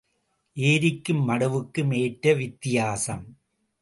ஏரிக்கும் மடுவுக்கும் ஏற்ற வித்தியாசம்.